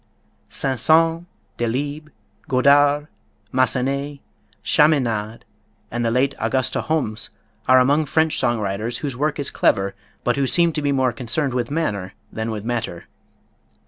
Saint Saëns, Delibes, Godard, Massenet, Chaminade and the late Augusta Holmès are among French song writers whose work is clever, but who seem to me more concerned with manner than with matter.